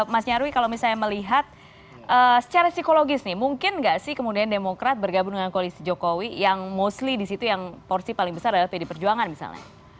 mas nyarwi kalau misalnya melihat secara psikologis nih mungkin nggak sih kemudian demokrat bergabung dengan koalisi jokowi yang mostly di situ yang porsi paling besar adalah pd perjuangan misalnya